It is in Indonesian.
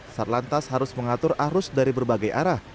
sat lantas harus mengatur arus dari berbagai arah